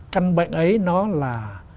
căn bệnh ấy nó là